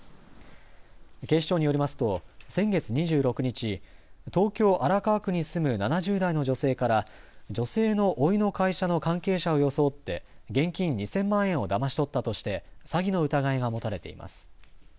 警視庁によりますと先月２６日、東京荒川区に住む７０代の女性から女性のおいの会社の関係者を装って現金２０００万円をだまし取ったとして詐欺の疑いが持たれています。